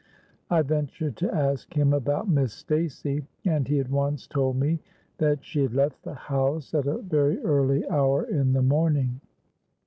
I ventured to ask him about Miss Stacey, and he at once told me that she had left the house at a very early hour in the morning.